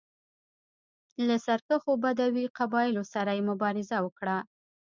له سرکښو بدوي قبایلو سره یې مبارزه وکړه.